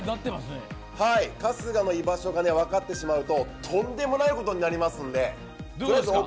春日の居場所が分かってしまうととんでもないことになりますので。